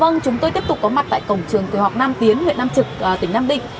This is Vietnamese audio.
vâng chúng tôi tiếp tục có mặt tại cổng trường tiểu học nam tiến huyện nam trực tỉnh nam định